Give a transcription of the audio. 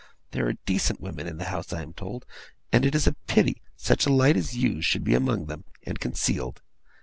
There are decent women in the house, I am told; and it is a pity such a light as you should be among them, and concealed.